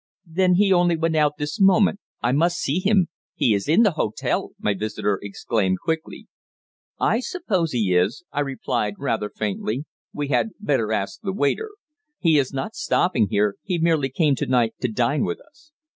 "Then he only went out this moment! I must see him. He is in the hotel!" my visitor exclaimed quickly. "I suppose he is," I replied rather faintly; "we had better ask the waiter. He is not stopping here. He merely came to night to dine with us."